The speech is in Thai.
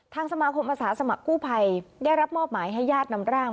สมาคมอาสาสมัครกู้ภัยได้รับมอบหมายให้ญาตินำร่าง